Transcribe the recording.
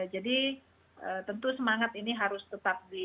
jadi tentu semangat ini harus tetap diberikan